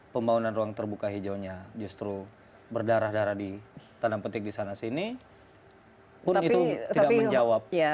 pembangunan ruang terbuka hijaunya justru berdarah darah di tanah petik di sana sini pun itu tidak menjawab